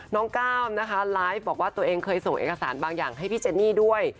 ก้าวนะคะไลฟ์บอกว่าตัวเองเคยส่งเอกสารบางอย่างให้พี่เจนนี่ด้วย